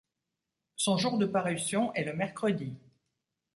Son jour de parution est le mercredi.